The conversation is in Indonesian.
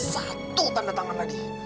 satu tanda tangan lagi